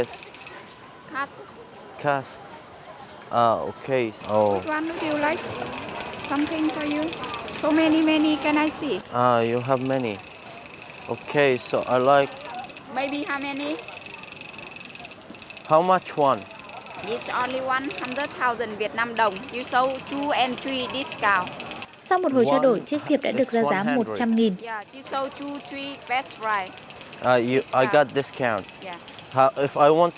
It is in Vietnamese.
sau một hồi trao đổi chiếc thiệp đã được ra giá một trăm linh nghìn